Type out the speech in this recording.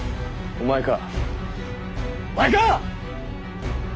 お前か！？